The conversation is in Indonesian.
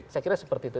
saya kira seperti itu